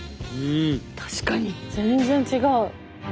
確かに全然違う！